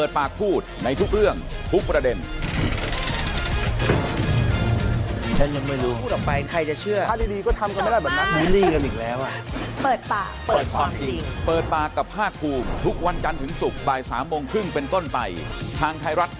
ท่านพรุ่งกลับช่วงเย็นนะครับ